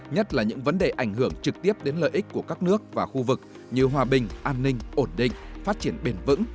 nhất là những vấn đề ảnh hưởng trực tiếp đến lợi ích của các nước và khu vực như hòa bình an ninh ổn định phát triển bền vững